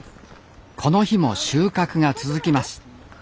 この日も収穫が続きます。